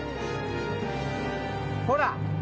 ほら。